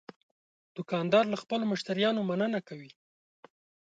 دوکاندار له خپلو مشتریانو مننه کوي.